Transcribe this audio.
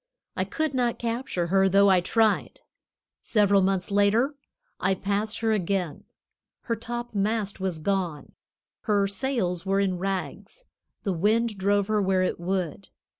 I could not capture her, though I tried. Several months later I passed her again. Her topmast was gone; her sails were in rags; the wind drove her where it would.